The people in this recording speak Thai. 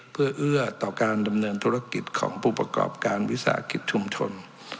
เพื่อเอื้อต่อการดำเนินธุรกิจของผู้ประกอบการวิสาหกิจชุมชน